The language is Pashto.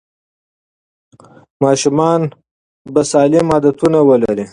ماشومان به سالم عادتونه ولري.